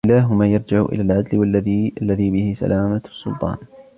وَكِلَاهُمَا يَرْجِعُ إلَى الْعَدْلِ الَّذِي بِهِ سَلَامَةُ السُّلْطَانِ